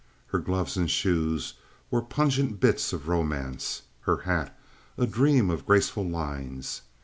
Her gloves and shoes were pungent bits of romance, her hat a dream of graceful lines.